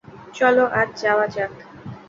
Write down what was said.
চল, আজ যাওয়া যাক।